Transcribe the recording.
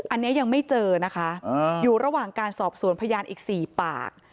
อันนี้ยังไม่เจอนะคะอยู่ระหว่างการสอบสวนพยานอีก๔ปาก